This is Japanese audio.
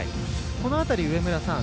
この辺り、上村さん